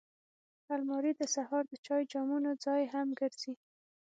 الماري د سهار د چای جامونو ځای هم ګرځي